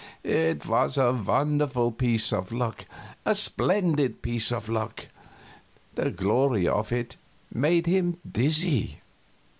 It was a wonderful piece of luck, a splendid piece of luck; the glory of it made him dizzy.